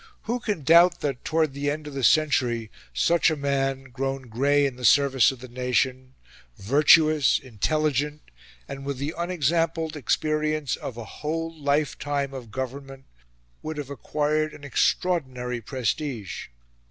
Who can doubt that, towards the end of the century, such a man, grown grey in the service of the nation, virtuous, intelligent, and with the unexampled experience of a whole life time of government, would have acquired an extraordinary prestige?